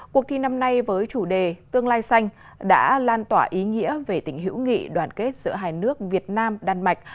cuộc thi năm nay với chủ đề tương lai xanh đã lan tỏa ý nghĩa về tình hữu nghị đoàn kết giữa hai nước việt nam đan mạch